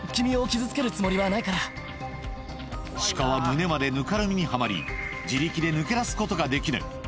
見つけたのはオスのシカは胸までぬかるみにはまり自力で抜け出すことができない